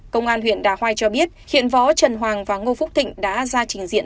công an huyện đà hoai cho biết hiện võ trần hoàng và ngô phúc thịnh đã ra trình diện